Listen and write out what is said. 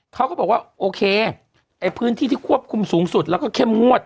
เขาก็บอกว่าโอเคไอ้พื้นที่ที่ควบคุมสูงสุดแล้วก็เข้มงวด